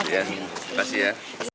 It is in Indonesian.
terima kasih ya